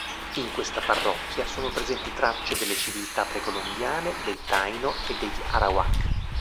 In questa parrocchia sono presenti tracce delle civiltà precolombiane dei Taino e degli Arawak.